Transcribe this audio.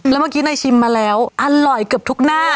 แล้วเมื่อกี้นายชิมมาแล้วอร่อยเกือบทุกหน้า